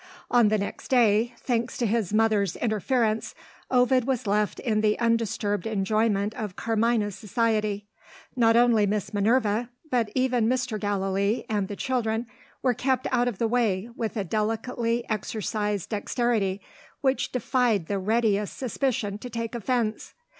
On the next day, thanks to his mother's interference, Ovid was left in the undisturbed enjoyment of Carmina's society. Not only Miss Minerva, but even Mr. Gallilee and the children, were kept out of the way with a delicately exercised dexterity, which defied the readiest suspicion to take offence.